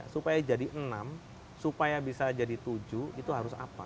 supaya jadi enam supaya bisa jadi tujuh itu harus apa